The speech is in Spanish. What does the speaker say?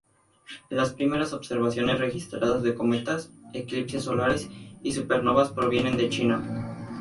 Las primeras observaciones registradas de cometas, eclipses solares y supernovas provienen de China.